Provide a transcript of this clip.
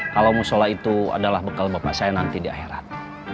kalau musola itu adalah bekal bapak saya nanti di akhirat